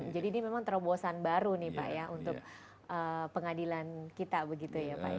jadi ini memang terobosan baru nih pak ya untuk pengadilan kita begitu ya pak